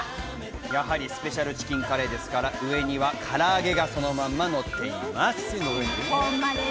やはりスペシャルチキンカレーですから、上にはから揚げがそのまま載っています。